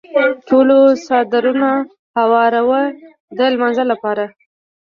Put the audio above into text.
ټولو څادرونه هوار وو د لمانځه لپاره.